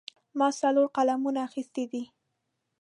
ما څلور قلمونه اخیستي دي.